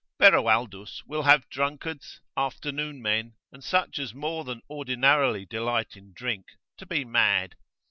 Beroaldus will have drunkards, afternoon men, and such as more than ordinarily delight in drink, to be mad.